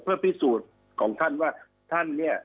เพื่อพิสูจน์ของท่านว่าท่านเนี่ย